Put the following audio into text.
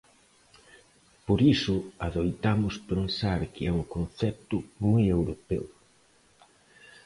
Por iso adoitamos pensar que é un concepto moi europeo.